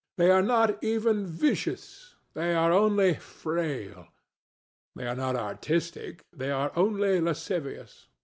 They are not even vicious: they are only "frail." They are not artistic: they are only lascivious.